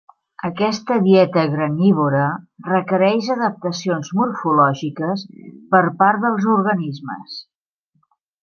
Aquesta dieta granívora requereix adaptacions morfològiques per part dels organismes.